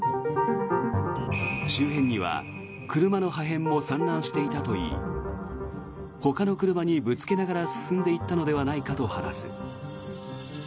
周辺には車の破片も散乱していたといいほかの車にぶつけながら進んでいったのではないかと話す。